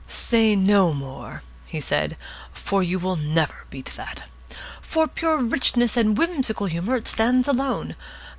"Say no more," he said, "for you will never beat that. For pure richness and whimsical humour it stands alone.